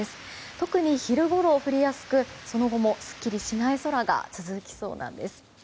特に昼ごろ、降りやすくその後もすっきりしない空が続きそうなんです。